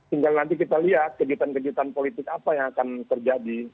tinggal nanti kita lihat kejutan kejutan politik apa yang akan terjadi